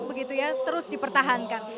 begitu ya terus dipertahankan